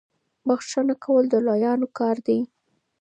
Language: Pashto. بخښنه کول د لويانو کار دی.